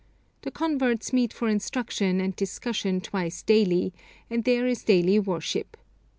The converts meet for instruction and discussion twice daily, and there is daily worship.